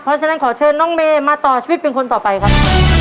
เพราะฉะนั้นขอเชิญน้องเมย์มาต่อชีวิตเป็นคนต่อไปครับ